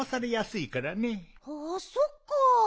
ああそっか。